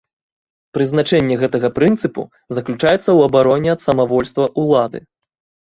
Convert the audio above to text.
Прызначэнне гэтага прынцыпу заключаецца ў абароне ад самавольства ўлады.